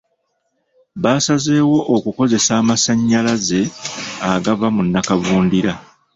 Basazeewo okukozesa amasannayaze agava mu nnakavundira.